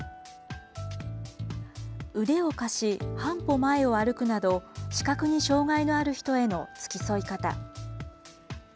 腕を貸し、半歩前を歩くなど、視覚に障害がある人への付き添い方。